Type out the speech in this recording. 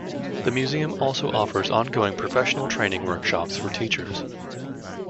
The museum also offers ongoing professional training workshops for teachers.